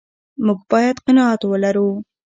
موږ باید قناعت ولرو.